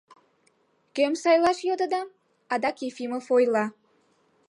Кӧм сайлаш йодыда? — адак Ефимов ойла.